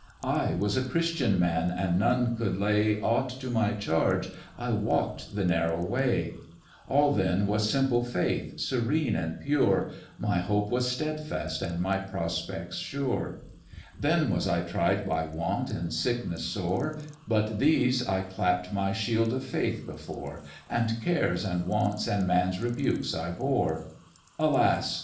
"I was a Christian man, and none could lay Aught to my charge; I walk'd the narrow way: All then was simple faith, serene and pure, My hope was stedfast and my prospects sure; Then was I tried by want and sickness sore, But these I clapp'd my shield of faith before, And cares and wants and man's rebukes I bore: Alas!